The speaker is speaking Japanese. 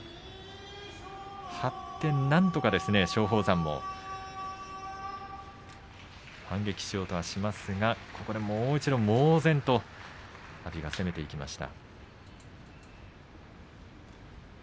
張ってなんとか松鳳山も反撃しようとはしますがもう一度猛然と阿炎が攻めていきました。